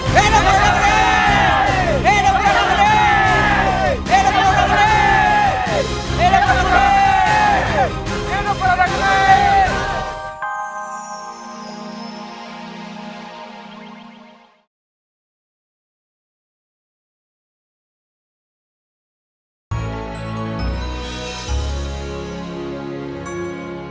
mereka sudah mengakhiri